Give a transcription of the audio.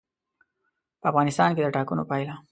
په افغانستان کې د ټاکنو پایله.